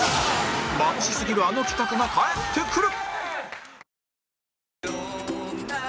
まぶしすぎるあの企画が帰ってくる！